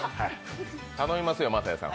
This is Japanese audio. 頼みますよ、晶哉さん。